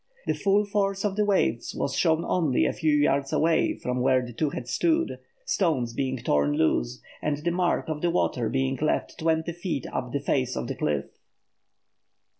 The full force of the waves was shown only a few yards away from where the two had stood, stones being torn loose and the mark of the water being left twenty feet up the face of the cliff.